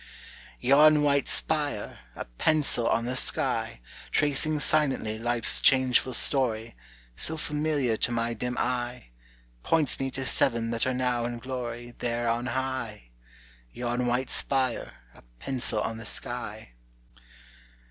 "Yon white spire, a pencil on the sky, Tracing silently life's changeful story, So familiar to my dim eye, Points me to seven that are now in glory There on high! Yon white spire, a pencil on the sky.